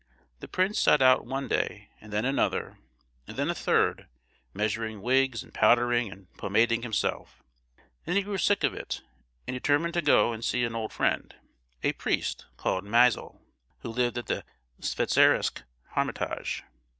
The prince sat out one day, and then another, and then a third, measuring wigs, and powdering and pomading himself; then he grew sick of it, and determined to go and see an old friend, a priest called Misael, who lived at the Svetozersk Hermitage.